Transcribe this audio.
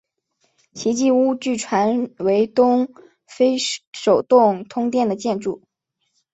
奇迹屋据传为东非首幢通电的建筑。